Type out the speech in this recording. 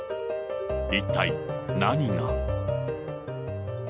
一体何が。